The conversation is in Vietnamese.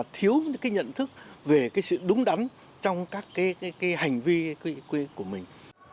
thiếu nhận thức về sự đúng đắn trong các hành vi của mình